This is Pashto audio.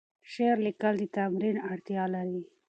شعر لیکل د تمرین اړتیا لري.